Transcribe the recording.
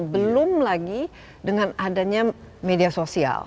belum lagi dengan adanya media sosial